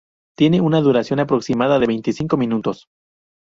Tiene una duración aproximada de veinticinco minutos.